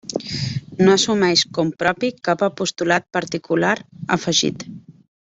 No assumeix com propi cap apostolat particular afegit.